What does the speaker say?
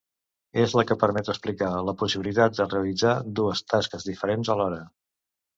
És la que permet explicar la possibilitat de realitzar dues tasques diferents alhora.